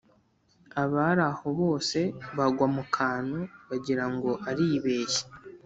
abari aho bose bagwa mu kantu bagira ngo aribeshye!